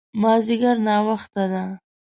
مازديګر ناوخته ده